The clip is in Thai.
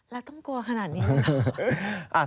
แล้วต้องกลัวขนาดนี้นะครับ